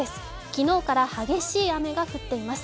昨日から激しい雨が降っています。